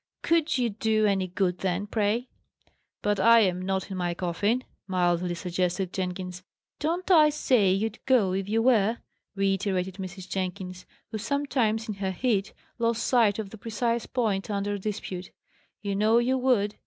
"Could you do any good then, pray?" "But I am not in my coffin," mildly suggested Jenkins. "Don't I say you'd go, if you were?" reiterated Mrs. Jenkins, who sometimes, in her heat, lost sight of the precise point under dispute. "You know you would!